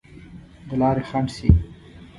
د لارې خنډ شي.